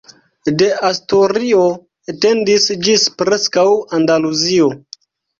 De Asturio etendis ĝis preskaŭ Andaluzio.